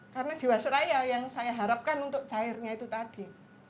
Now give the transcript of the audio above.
karena jiwasraya yang saya harapkan untuk cairnya itu tadi